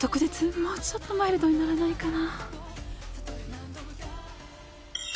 もうちょっとマイルドにならないかな。